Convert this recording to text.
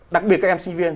đặc biệt các em sinh viên